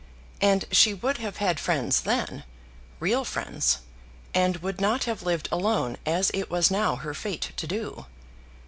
And she would have had friends, then, real friends, and would not have lived alone as it was now her fate to do.